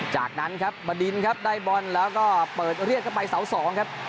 จากนั้นครับบดินครับได้บอลแล้วก็เปิดเรียกเข้าไปเสา๒ครับ